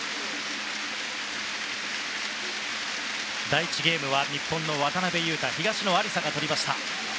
第１ゲームは日本の渡辺勇大、東野有紗が取りました。